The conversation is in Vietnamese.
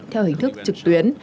theo hình thức trực tuyến